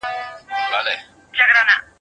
څو اوښان لرې څو غواوي څو پسونه